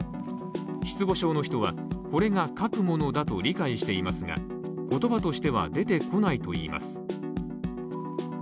失語症の人はこれが書くものだと理解していますが言葉としては出てこないといいます。